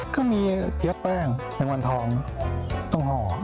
ก็มีเจี๊ยบแป้งแมงวันทองต้องห่อ